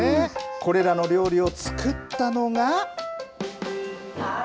これらの料理を作ったのが。